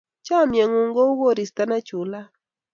chamiet ng'un ko u koristo nechulat